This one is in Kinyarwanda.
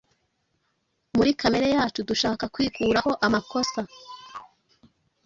Muri kamere yacu dushaka kwikuraho amakosa,